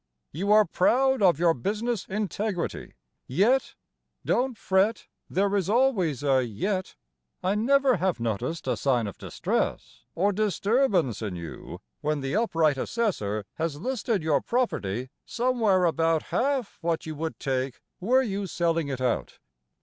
You are proud of your business integrity, yet (Don't fret! There is always a "yet,") I never have noticed a sign of distress, or Disturbance in you, when the upright assessor Has listed your property somewhere about Half what you would take were you selling it out.